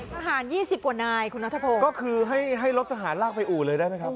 ทหารยี่สิบกว่านายคุณนัทพงศ์ก็คือให้ให้รถทหารลากไปอู่เลยได้ไหมครับ